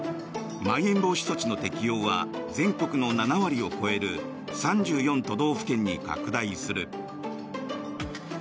まん延防止措置の適用は全国の７割を超える３４都道府県に拡大する。